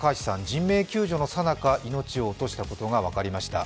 人命救助のさなか、命を落としたことが分かりました。